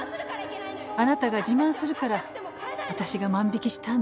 「あなたが自慢するから私が万引きしたんだ」って言って。